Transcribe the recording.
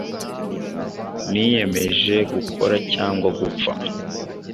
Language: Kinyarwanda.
Niyemeje gukora cyangwa gupfa